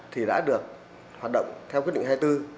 thì đã được hoạt động theo quyết định hai mươi bốn